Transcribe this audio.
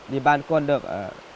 đi bán con được